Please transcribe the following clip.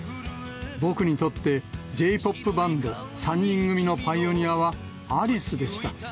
僕にとってＪーＰＯＰバンド、３人組のパイオニアはアリスでした。